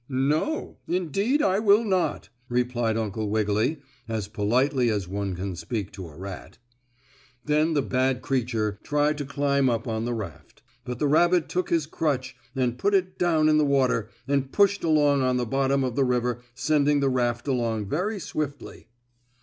"No, indeed, I will not," replied Uncle Wiggily, as politely as one can speak to a rat. Then the bad creature tried to climb up on the raft, but the rabbit took his crutch and put it down in the water and pushed along on the bottom of the river, sending the raft along very swiftly.